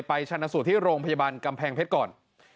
ชนะสูตรที่โรงพยาบาลกำแพงเพชรก่อน